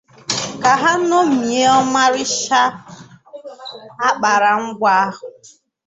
ka ha ñòmie ọmarịcha akparamagwa ahụ